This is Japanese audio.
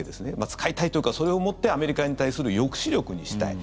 使いたいというかそれをもってアメリカに対する抑止力にしたい。